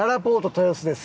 豊洲です。